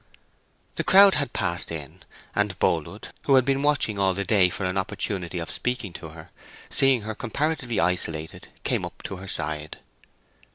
The crowd had passed in, and Boldwood, who had been watching all the day for an opportunity of speaking to her, seeing her comparatively isolated, came up to her side.